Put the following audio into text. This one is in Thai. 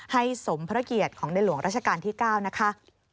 สมพระเกียรติของในหลวงราชการที่๙นะคะ